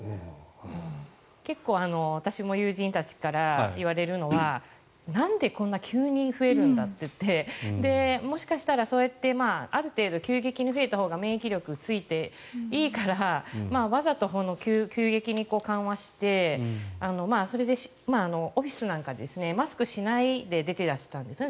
結構、私も友人たちから言われるのはなんでこんな急に増えるんだといってもしかしたら、そうやってある程度急激に増えたほうが免疫力がついていいからわざと急激に緩和してそれでオフィスなんかマスクをしないで出ていらしたんですね。